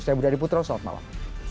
saya budha diputro salam malam